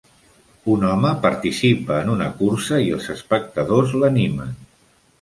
Un home participa en una cursa i els espectadors l'animen.